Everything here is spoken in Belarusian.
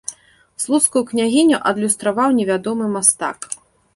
Слуцкую княгіню адлюстраваў невядомы мастак.